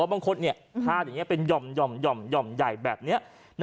บางคนถ้าอย่างนี้เป็นหย่อมหย่อมหย่อมหย่อมใหญ่แบบนี้